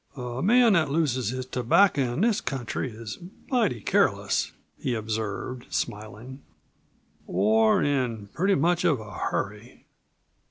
"A man who loses his tobacco in this country is mighty careless," he observed, smiling; "or in pretty much of a hurry."